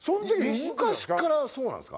昔からそうなんですか？